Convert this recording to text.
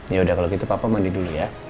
ya udah kalau gitu papa mandi dulu ya